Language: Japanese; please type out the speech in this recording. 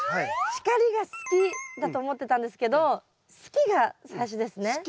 「光が好き」だと思ってたんですけど「好き」が最初ですね。